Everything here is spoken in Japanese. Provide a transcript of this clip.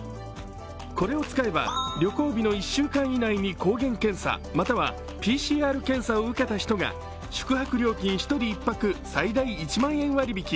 これを使えば旅行日の１週間以内に抗原検査、またはＰＣＲ検査を受けた人が宿泊料金１人１泊最大１万円割引